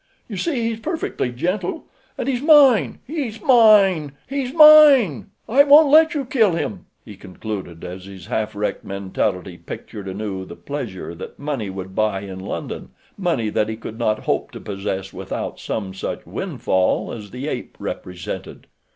You see, he's perfectly gentle—and he's mine—he's mine—he's mine! I won't let you kill him," he concluded, as his half wrecked mentality pictured anew the pleasure that money would buy in London—money that he could not hope to possess without some such windfall as the ape represented.